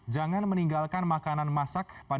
jangan meninggalkan makanan masak pada suhu rata